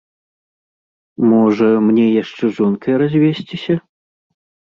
Можа, мне яшчэ з жонкай развесціся?